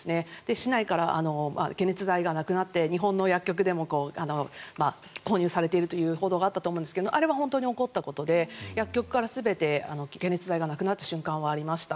市内から解熱剤がなくなって日本の薬局でも購入されているという報道があったと思いますがあれは本当に起こったことで薬局から全て解熱剤がなくなった瞬間はありました。